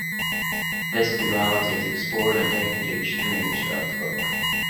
This duality is explored and taken to extremes throughout the book.